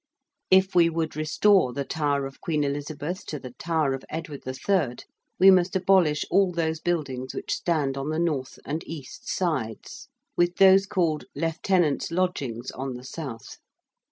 If we would restore the Tower of Queen Elizabeth to the Tower of Edward III. we must abolish all those buildings which stand on the north and east sides, with those called 'Lieutenants' Lodgings' on the south.